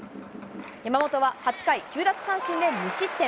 山本は８回９奪三振で無失点。